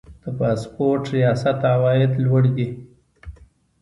د پاسپورت ریاست عواید لوړ دي